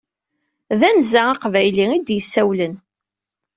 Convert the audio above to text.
D anza aqbayli i d-yessawlen!